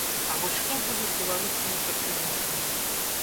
А вось што будзе з беларускімі прадпрыемствамі?